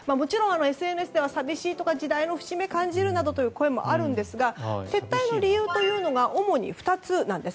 ＳＮＳでは寂しいとか時代の節目を感じるとかの声があるんですが撤退の理由というのが主に２つなんです。